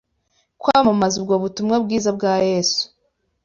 kwamamaza ubwo butumwa bwiza bwa yesu